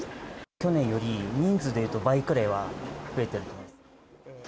去年より、人数でいうと倍くらいは増えてると思いますね。